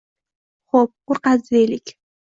Xo‘p, qo‘rqadi deylik.